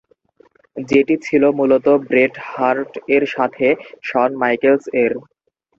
যেটি ছিল মূলত ব্রেট হার্ট এর সাথে শন মাইকেলস এর।